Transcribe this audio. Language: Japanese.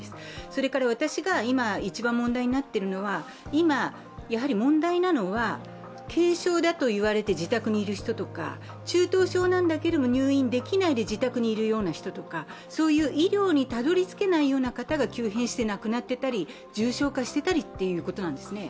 それから私が今一番問題になっているのは、軽症だといわれて自宅にいる人とか中等症なんだけれども入院できないで自宅にいる人とかそういう医療にたどりつけないような方が急変して亡くなっていたり、重症化していたりということなんですね。